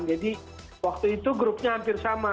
jadi waktu itu grupnya hampir sama